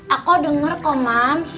aku denger kok mam